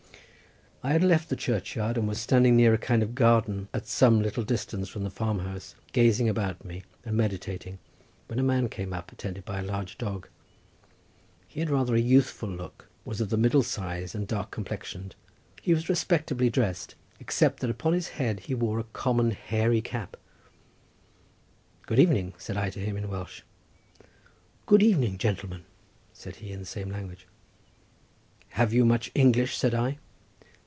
I had left the churchyard, and was standing near a kind of garden, at some little distance from the farmhouse, gazing about me and meditating, when a man came up attended by a large dog. He had rather a youthful look, was of the middle size and dark complexioned. He was respectably drest, except that upon his head he wore a common hairy cap. "Good evening," said I to him in Welsh. "Good evening, gentleman," said he in the same language. "Have you much English?" said I.